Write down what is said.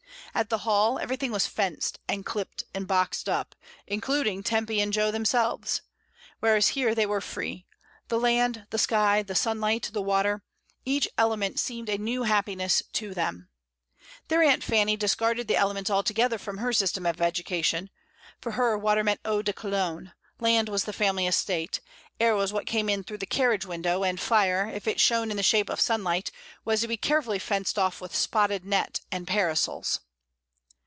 At the Hall everything was fenced, and clipped, and boxed up, including Tempy and Jo themselves; whereas here they were free — the land, the sky, the sunlight, the water, each element seemed a new happiness to them. Their Aunt Fanny discarded the elements altogether from her system of educa tion; for her water meant eau de Cologne; land was the family estate; air was what came in through the carriage window; and fire, if it shone in the shape of sunlight, was to be carefully fenced off with spotted net and parasols.